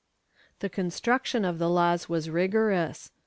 ^ The construction of the laws was rigorous.